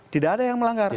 tidak ada yang melanggar